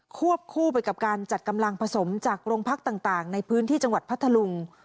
วบคู่ไปกับการจัดกำลังผสมจากโรงพักต่างในพื้นที่จังหวัดพัทธลุง